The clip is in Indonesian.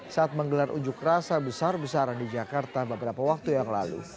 saat menggelar ujuk rasa besar besaran di jakarta beberapa waktu yang lalu